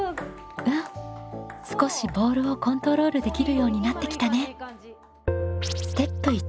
うん少しボールをコントロールできるようになってきたね。